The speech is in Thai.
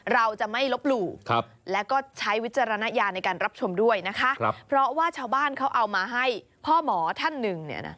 เราจะไม่ลบหลู่